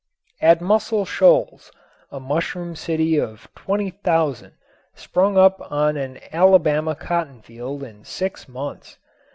At Muscle Shoals a mushroom city of 20,000 sprang up on an Alabama cotton field in six months.